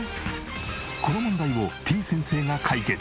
この問題をてぃ先生が解決！